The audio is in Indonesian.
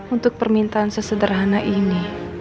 untuk permintaan sesederhana ini